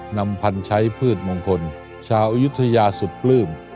นำพันธุ์ใช้พืชมงคลชาวอยุธยาสุดปลื้ม